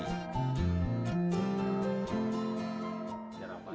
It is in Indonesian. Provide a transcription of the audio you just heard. anjar mencari tempat untuk mencari tempat untuk mencari tempat untuk belajar jahit